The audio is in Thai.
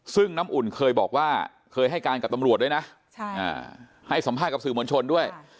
ซึ่งน้ำอุ่นเคยบอกว่าเคยให้การกับตำรวจด้วยนะให้สัมภาษณ์กับสื่อมวลชนด้วย